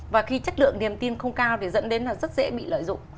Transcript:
và khi chất lượng niềm tin không cao thì dẫn đến là rất dễ bị lợi dụng